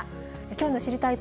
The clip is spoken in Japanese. きょうの知りたいッ！